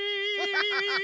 ハハハハハハ！